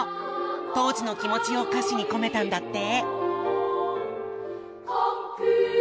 当時の気持ちを歌詞に込めたんだって！